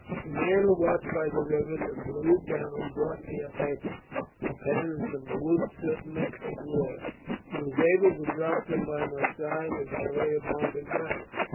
"The man who watched by the river in the blue gown brought me paper, a pen, and some wood soot mixed with water. He was able to drop them by my side as I lay upon the ground.